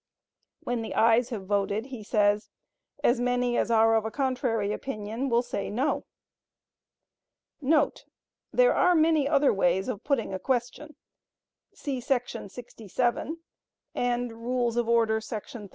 When the ayes have voted, he says, "As many as are of a contrary opinion will say no."* [There are many other ways of putting a question; see § 67, and Rules of Order, § 38.